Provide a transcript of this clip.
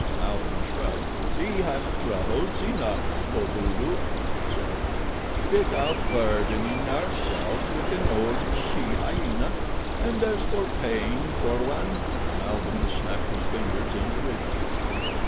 Malbihn shrugged. "We have troubles enough, Kovudoo," he said, "without burdening ourselves with an old she hyena, and as for paying for one—" Malbihn snapped his fingers in derision.